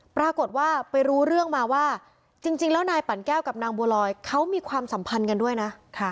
ปรากฏว่าไปรู้เรื่องมาว่าจริงแล้วนายปั่นแก้วกับนางบัวลอยเขามีความสัมพันธ์กันด้วยนะ